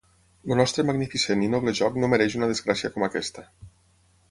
El nostre magnificent i noble joc no mereix una desgràcia com aquesta.